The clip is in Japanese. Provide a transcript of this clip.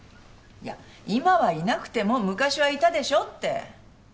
いや今はいなくても昔はいたでしょって。